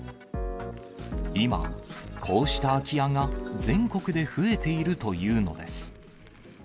今、こうした空き家が、全国で増えているというのです。